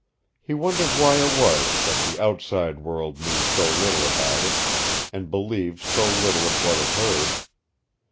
He wondered why it was that the outside world knew so little about it and believed so little of what it heard.